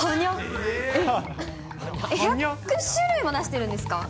１００種類も出してるんですか？